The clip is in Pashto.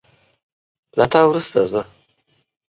له تا وروسته زه